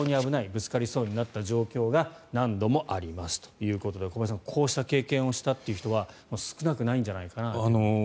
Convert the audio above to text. ぶつかりそうになった状況が何度もありますということで小林さん、こうした経験をした人というのは少なくないんじゃないかなと。